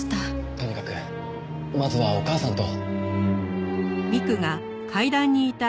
とにかくまずはお母さんと。